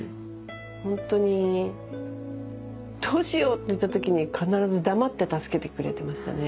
ほんとにどうしようっていった時に必ず黙って助けてくれてましたね。